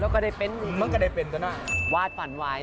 อ๋อแล้วก็ได้เป็นอย่างนี้วาดฝันไว้